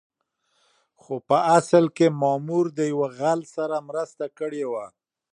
خو په اصل کې مامور د يو غل سره مرسته کړې وه.